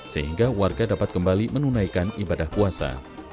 sehingga warga dapat kembali menunaikan ibadah puasa